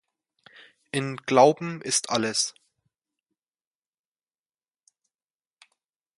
In "Glauben ist alles!